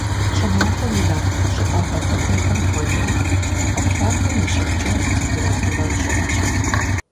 ЩӀымахуэм и нэхъ щӀыӀэгъэ дыдэхэм хуэдэу кхъухьлъатэм и щӀыбкӀэ температурэр щӀыӀэщ.